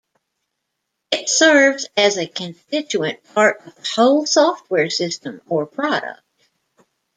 It serves as a constituent part of a whole software system or product.